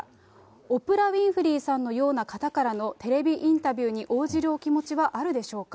オプラ・ウィンフリーさんのような方からのテレビインタビューに応じるお気持ちはあるでしょうか。